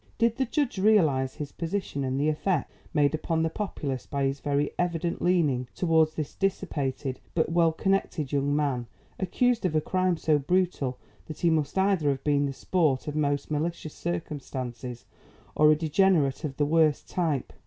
Did the judge realise his position and the effect made upon the populace by his very evident leaning towards this dissipated but well connected young man accused of a crime so brutal, that he must either have been the sport of most malicious circumstances, or a degenerate of the worst type.